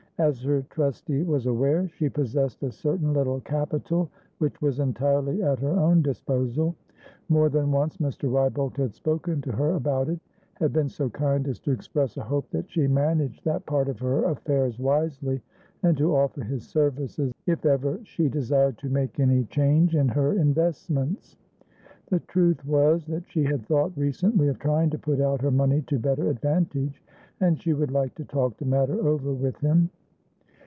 As her trustee was aware, she possessed a certain little capital which was entirely at her own disposal. More than once Mr. Wrybolt had spoken to her about ithad been so kind as to express a hope that she managed that part of her affairs wisely, and to offer his services if ever she desired to make any change in her investments. The truth was, that she had thought recently of trying to put out her money to better advantage, and she would like to talk the matter over with him.